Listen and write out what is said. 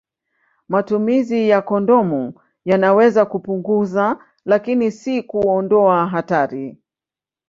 Matumizi ya kondomu yanaweza kupunguza, lakini si kuondoa hatari.